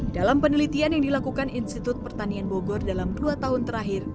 dalam penelitian yang dilakukan institut pertanian bogor dalam dua tahun terakhir